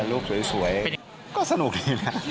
รูปสวยก็สนุกดีนะ